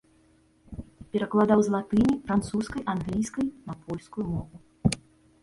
Перакладаў з латыні, французскай, англійскай на польскую мову.